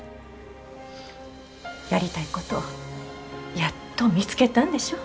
やりたいことやっと見つけたんでしょ？